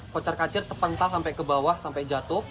kocar kacir tepang tang sampai ke bawah sampai jatuh